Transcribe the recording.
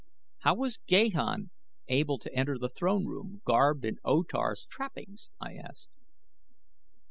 "How was Gahan able to enter the throne room garbed in O Tar's trappings?" I asked.